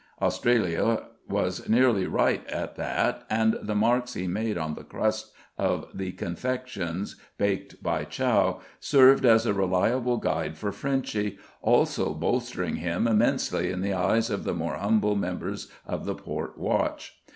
Australia was nearly right at that, and the marks he made on the crust of the confections baked by Chow served as a reliable guide for Frenchy, also bolstering him immensely in the eyes of the more humble members of the port watch.